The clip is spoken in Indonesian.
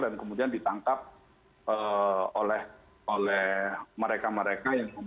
dan kemudian ditangkap oleh mereka mereka yang memiliki proses penularan ideologi